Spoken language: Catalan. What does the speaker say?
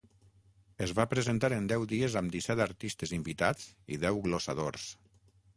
Es va presentar en deu dies amb disset artistes invitats i deu glossadors.